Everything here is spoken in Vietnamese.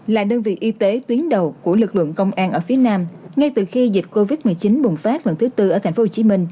là đơn vị y tế tuyến đầu của lực lượng công an ở phía nam ngay từ khi dịch covid một mươi chín bùng phát lần thứ tư ở tp hcm